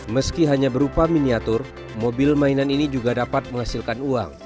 meski hanya berupa miniatur mobil mainan ini juga dapat menghasilkan uang